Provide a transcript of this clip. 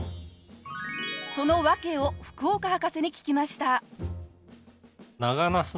その訳を福岡博士に聞きました。